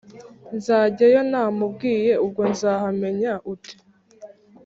nzajyayo ntamubwiye ubwo nzahamenya ute?”